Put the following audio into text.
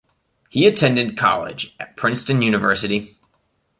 He attended college at Princeton University.